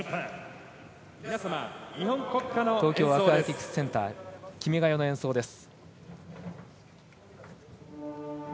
東京アクアティクスセンター「君が代」の演奏です。